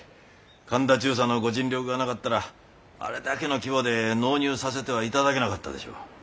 神田中佐のご尽力がなかったらあれだけの規模で納入させてはいただけなかったでしょう。